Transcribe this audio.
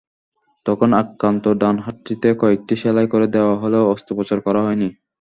তখন আক্রান্ত ডান হাতটিতে কয়েকটি সেলাই করে দেওয়া হলেও অস্ত্রোপচার করা হয়নি।